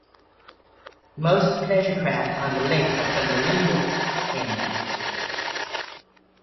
Most pleasure craft on the lake are from the Lillooet end.